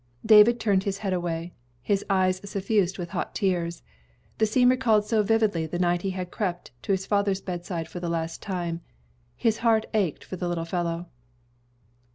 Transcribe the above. David turned his head away, his eyes suffused with hot tears. The scene recalled so vividly the night he had crept to his father's bedside for the last time. His heart ached for the little fellow.